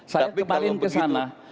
saya kemarin ke sana